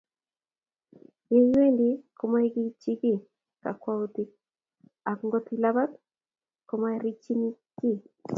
Ye iwendi koma igiichi kiy kakwautiguk; ak ngot ilabati, koma riichin kiy.